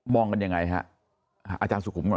มองกันยังไงฮะอาจารย์สุคมณ์มากด่า